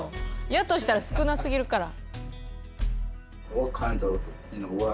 やとしたら少なすぎるから。